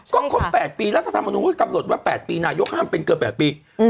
ก็ครบ๘ปีรัฐธรรมนุนกำหนดว่า๘ปีนายกห้ามเป็นเกือบ๘ปี